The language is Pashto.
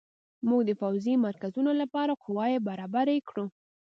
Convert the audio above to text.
موږ د پوځي مرکزونو لپاره قواوې برابرې کړو.